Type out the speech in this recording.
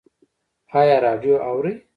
ایا راډیو اورئ؟